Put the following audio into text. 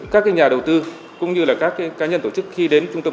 các nhà đầu tư cũng như là các cá nhân tổ chức khi đến trung tâm